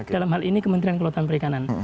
dalam hal ini kementerian kelautan perikanan